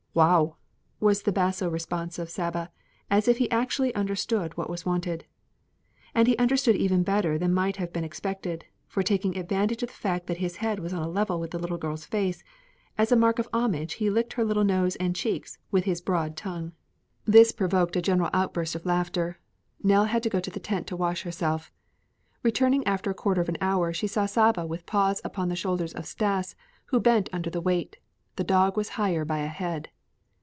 "Wow!" was the basso response of Saba, as if he actually understood what was wanted. And he understood even better than might have been expected, for taking advantage of the fact that his head was on a level with the little girl's face, as a mark of homage he licked her little nose and cheeks with his broad tongue. This provoked a general outburst of laughter. Nell had to go to the tent to wash herself. Returning after a quarter of an hour she saw Saba with paws upon the shoulders of Stas, who bent under the weight; the dog was higher by a head.